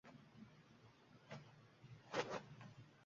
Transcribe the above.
sga soluvchi savollar bilan bolani muhim fikrga yo‘llashingiz mumkin.